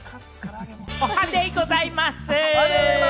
おはデイございます！